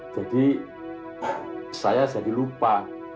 jadi saya jadi lupa